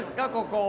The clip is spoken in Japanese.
ここ。